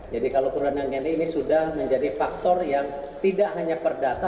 jadi kalau kurangnya ini sudah menjadi faktor yang tidak hanya perdata